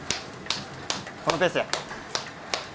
このペースや。